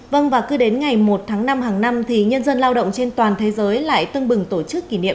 vâng và cứ đến ngày một tháng năm hàng năm thì nhân dân lao động trên toàn thế giới lại tưng bừng tổ chức kỷ niệm